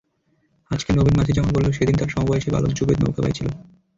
আজকের নবীন মাঝি যেমন বলল, সেদিন তার সমবয়সী বালক জুবেদ নৌকা বাইছিল।